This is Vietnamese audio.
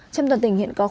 trong toàn tỉnh hiện nay